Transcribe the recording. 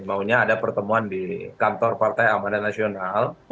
maunya ada pertemuan di kantor partai amanat nasional